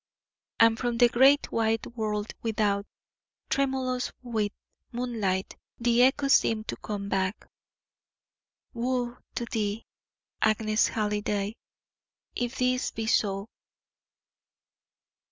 And from the great, wide world without, tremulous with moonlight, the echo seemed to come back: "Woe to thee, Agnes Halliday, if this be so!"